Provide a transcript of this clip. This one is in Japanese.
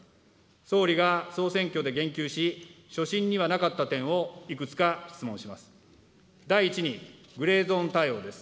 総理が総選挙で言及し、所信にはなかった点をいくつか質問します。